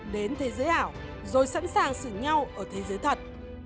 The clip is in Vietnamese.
đến thế giới ảo rồi sẵn sàng xử nhau ở thế giới thật